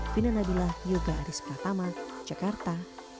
fina nabilah yoga aris pratama jakarta